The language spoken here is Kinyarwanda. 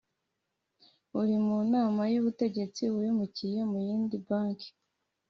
Uri mu nama y ubutegetsi wimukiye mu yindi banki